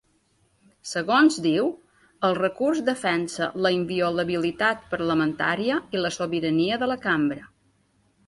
Segons diu, el recurs defensa la inviolabilitat parlamentària i la sobirania de la cambra.